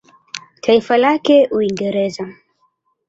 Taifa lake Uingereza.